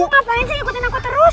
kamu ngapain sih ikutin aku terus